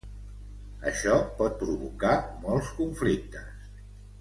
Això pot provocar molts conflictes.